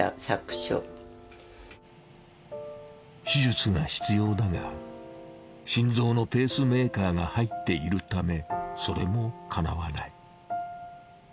手術が必要だが心臓のペースメーカーが入っているためそれもかなわない。